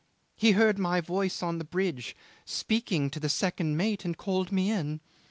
He heard my voice on the bridge speaking to the second mate, and called me in.